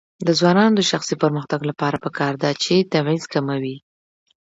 د ځوانانو د شخصي پرمختګ لپاره پکار ده چې تبعیض کموي.